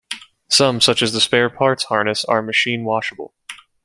Some, such as the "Spare Parts" harness, are machine-washable.